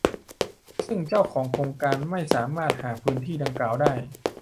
ซึ่งเจ้าของโครงการไม่สามารถหาพื้นที่ดังกล่าวได้